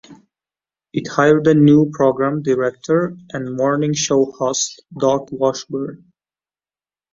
It hired a new program director and morning show host, Doc Washburn.